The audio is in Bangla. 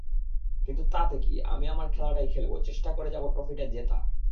কিন্তু তাতে কী, আমি আমার খেলাটাই খেলব, চেষ্টা করে যাব ট্রফিটা জেতার।